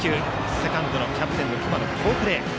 セカンドキャプテン、隈の好プレー。